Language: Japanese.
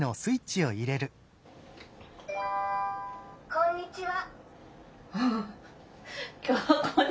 「こんにちは」。